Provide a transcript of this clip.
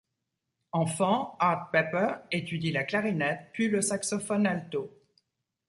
Enfant, Art Pepper étudie la clarinette puis le saxophone alto.